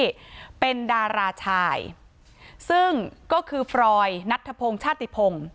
ที่เป็นดาราชายซึ่งก็คือฟรอยนัทธพงศ์ชาติติพงศ์